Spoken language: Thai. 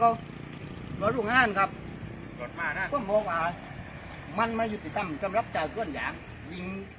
ก็หรือลูกงานครับมันไม่ยุติธรรมสำหรับเจ้าเพื่อนอย่างยิง